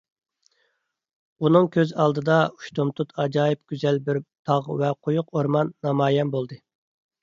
ئۇنىڭ كۆز ئالدىدا ئۇشتۇمتۇت ئاجايىپ گۈزەل بىر تاغ ۋە قويۇق ئورمان نامايان بولدى.